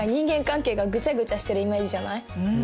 うん。